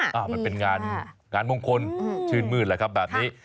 มันเป็นงานมงคลชื่นมืดแบบนี้